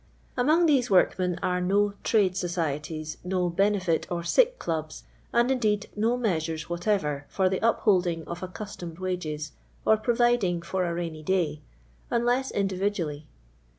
Among these workmen arc no Tixute SocUtUs, no liturjit (tr SicL Civls, and, indeed, no measures \v'}jatc\er for the uphcUJing of accustomed wn^es, or ]»roviding for a rainy day," unless individu ally.